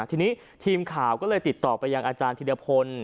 ทีนี้ทีมข่าวก็เลยติดต่อไปยังอาจารย์ธิรพล